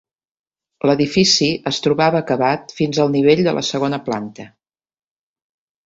L'edifici es trobava acabat fins al nivell de la segona planta.